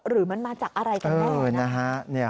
หรือมันมาจากอะไรกันแล้ว